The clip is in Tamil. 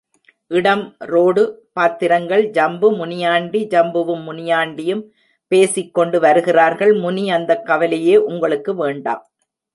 இடம் ரோடு பாத்திரங்கள் ஜம்பு, முனியாண்டி ஜம்புவும் முனியாண்டியும் பேசிக்கொண்டு வருகிறார்கள் முனி அந்தக் கவலையே உங்களுக்கு வேண்டாம்.